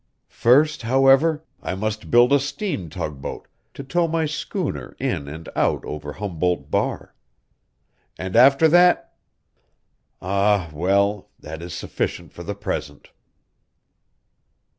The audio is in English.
First, however, I must build a steam tugboat to tow my schooner in and out over Humboldt Bar. And after that ah, well! That is sufficient for the present."